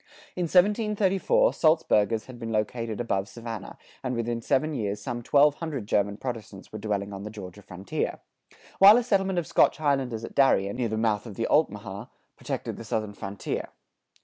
[97:2] In 1734, Salzburgers had been located above Savannah, and within seven years some twelve hundred German Protestants were dwelling on the Georgia frontier; while a settlement of Scotch Highlanders at Darien, near the mouth of the Altamaha, protected the southern frontier.